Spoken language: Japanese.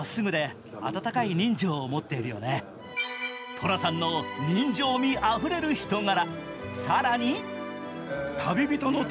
寅さんの人情味あふれる人柄。